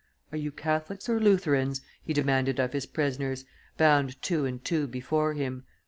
"Are you Catholics or Lutherans?" he demanded of his prisoners, bound two and two before him.